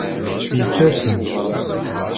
Yettasem.